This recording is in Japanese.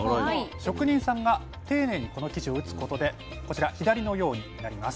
職人さんが丁寧にこの生地を打つことでこちら左のようになります。